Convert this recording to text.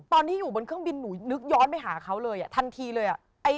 ตอนที่อยู่บนเครื่องบินหนูนึกย้อนไปหาเขาเลยทันทีเลย